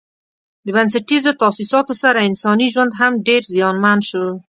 د بنسټیزو تاسیساتو سره انساني ژوند هم ډېر زیانمن شو.